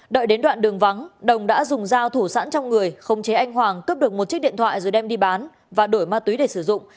đợi đến đoạn đường vắng đồng đã dùng dao thủ sẵn trong người không chế anh hoàng cướp được một chiếc điện thoại rồi đem đi bán và đổi ma túy để sử dụng